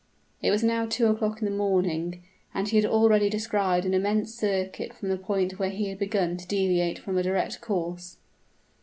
It was now two o'clock in the morning, and he had already described an immense circuit from the point where he had begun to deviate from a direct course.